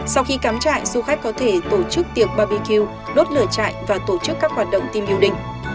sau khi cắm trại du khách có thể tổ chức tiệc bbq đốt lửa trại và tổ chức các hoạt động tim yêu đình